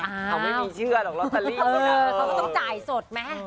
เขาไม่มีเชื่อหรอกล็อตเตอรี่ต้องจ่ายสดแม่